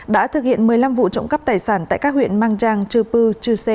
đã thực hiện một mươi năm vụ trộm cắp tài sản tại các huyện mang trang chư pư chư sê